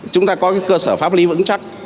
chúng ta có cơ sở pháp lý vững chắc